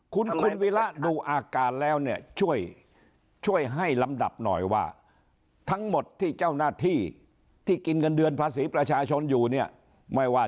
ที่ผมเคยเอามาเปิดโปรหรณ์ตั้งแต่ตอนเดือนมีนนา